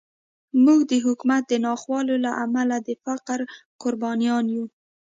موږ د حکومت د ناخوالو له امله د فقر قربانیان یو.